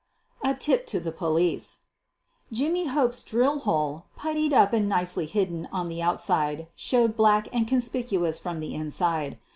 A TIP TO THE POLICE Jimmy Hope's drill hole, puttied up and nicely hidden on the outside showed black and conspicuous from the inside.